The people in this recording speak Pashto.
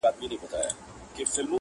ستا په مخ کي دروغ نه سمه ویلای٫